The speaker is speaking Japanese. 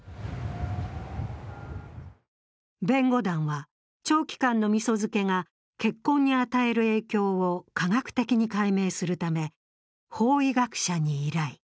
弁護団は長期間のみそ漬けが血痕に与える影響を科学的に解明するため、法医学者に依頼。